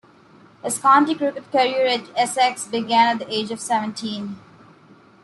His county cricket career at Essex began at the age of seventeen.